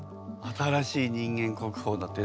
新しい人間国宝だって。